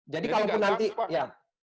jadi kalau nanti ya